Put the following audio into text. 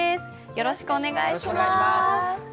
よろしくお願いします。